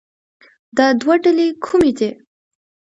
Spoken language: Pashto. دا دوه ډلې کومې دي